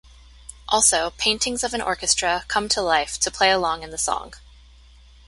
Also, paintings of an orchestra come to life to play along in the song.